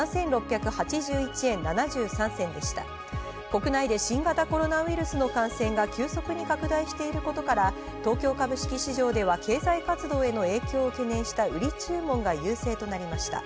国内で新型コロナウイルスの感染が急速に拡大していることから、東京株式市場では経済活動への影響を懸念した売り注文が優勢となりました。